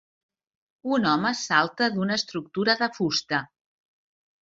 Un home salta d'una estructura de fusta.